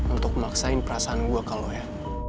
untuk maksain perasaan gue ke lo ya